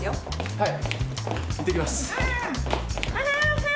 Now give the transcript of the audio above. はい。